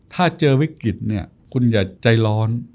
ถ้าเจอวิคิตคุณอย่าใจร้อน